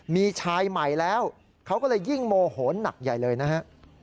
มีชายใหม่แล้วเขาก็เลยยิ่งโมโหหนักใหญ่เลยนะฮะ